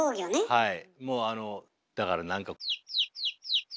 はい。